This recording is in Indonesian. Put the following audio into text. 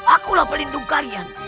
akulah pelindung kalian